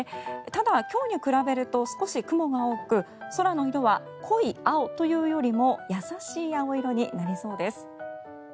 ただ、今日に比べると少し雲が多く空の色は濃い青というよりも優しい青色になりそうです。